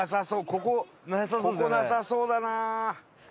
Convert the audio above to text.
ここここなさそうだな。